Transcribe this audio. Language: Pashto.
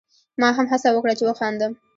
ما هم هڅه وکړه چې وخاندم.